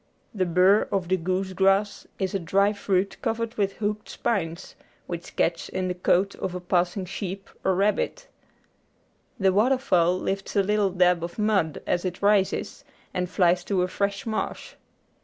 The burr of the goose grass is a dry fruit covered with hooked spines, which catch in the coat of a passing sheep or rabbit. The water fowl lifts a little dab of mud as it rises and flies to a fresh marsh.